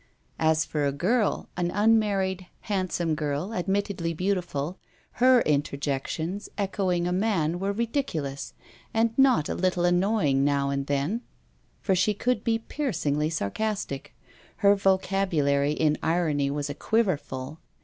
As for a girl, an unmarried, handsome girl, admittedly beautiful, her interjections, echoing a man, were ridiculous, and not a little annoying now and them, for she could be piercingly sarcastic. Her vocabulary in irony was a quiverful.